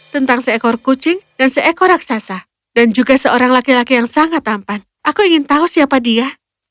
tentang seekor kucing dan seekor raksasa dan juga seorang laki laki yang sangat tampan aku ingin tahu siapa dia